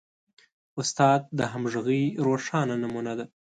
استاد د همغږۍ روښانه نمونه ده.